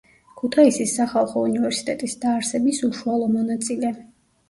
ქუთაისის სახალხო უნივერსიტეტის დაარსების უშუალო მონაწილე.